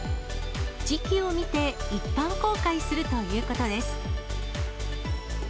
時期を見て、一般公開するということです。